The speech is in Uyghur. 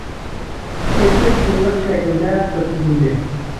ئۇچرىشىش سىنلىق شەكلىدە ئۆتكۈزۈلدى.